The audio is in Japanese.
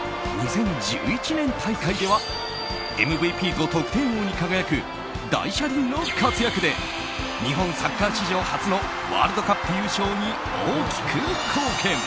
２０１１年大会ではＭＶＰと得点王に輝く大車輪の活躍で日本サッカー史上初のワールドカップ優勝に大きく貢献。